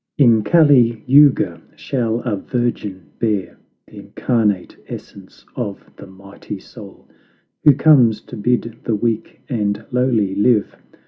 "In Cali Youga shall a virgin bear The Incarnate Essence of the mighty Soul, Who comes to bid the weak and lowly live.